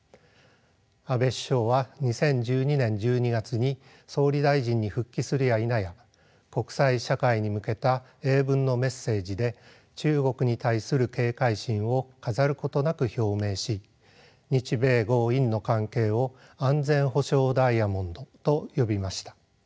安倍首相は２０１２年１２月に総理大臣に復帰するやいなや国際社会に向けた英文のメッセージで中国に対する警戒心を飾ることなく表明し日米豪印の関係を「安全保障ダイヤモンド」と呼びました。